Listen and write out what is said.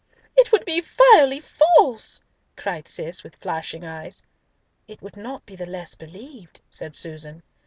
"It would be vilely false!" cried Cis with flashing eyes. "It would not be the less believed," said Susan.